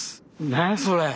何やそれ？